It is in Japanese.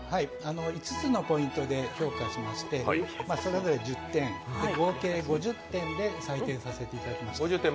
５つのポイントで評価しまして、それぞれ１０点合計５０点で採点させていただきました。